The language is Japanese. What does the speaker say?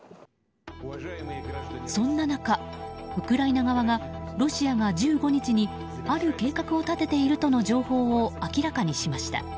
そんな中、ウクライナ側がロシアが１５日にある計画を立てているとの情報を明らかにしました。